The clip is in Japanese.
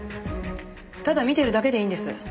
ただ見てるだけでいいんです。